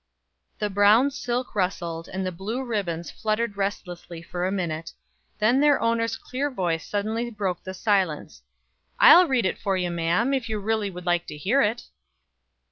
The brown silk rustled, and the blue ribbons fluttered restlessly for a minute; then their owner's clear voice suddenly broke the silence: "I'll read it for you, ma'am, if you really would like to hear it."